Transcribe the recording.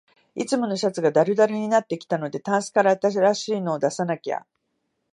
いつものシャツがだるだるになってきたので、タンスから新しいの出さなきゃ